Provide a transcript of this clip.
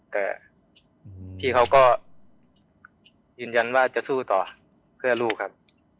แต่พี่เขาก็ยืนยันว่าจะสู้ต่อเพื่อลูกครับ